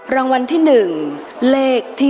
รางวัลที่๑เลขที่